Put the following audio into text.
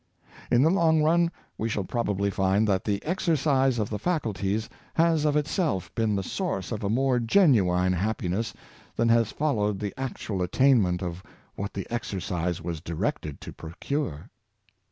In the long run we shall 158 Work an Educator of Character, probably find that the exercise of the faculties has of itself been the source of a more genuine happiness than has followed the actual attainment of what the exer cise was directed to procure."